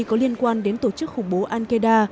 có liên quan đến tổ chức khủng bố al qeda